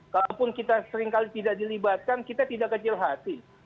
kalaupun kita seringkali tidak dilibatkan kita tidak kecil hati